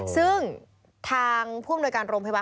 ซึ่งทางภูมิโนยการโรงพยาบาล